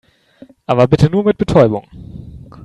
Aber bitte nur mit Betäubung.